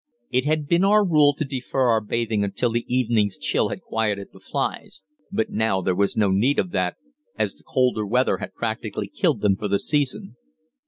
It had been our rule to defer our bathing until the evening's chill had quieted the flies, but now there was no need of that, as the colder weather had practically killed them for the season.